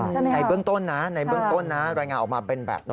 ในเบื้องต้นนะรายงานออกมาเป็นแบบนี้